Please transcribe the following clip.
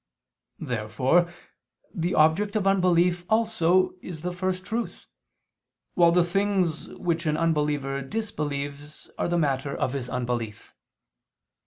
Therefore the object of unbelief also is the First Truth; while the things which an unbeliever disbelieves are the matter of his unbelief.